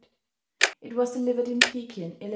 It was delivered in Pekin, 111.